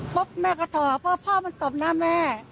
พบแม่กระทอพ่อพ่อมันตบหน้าแม่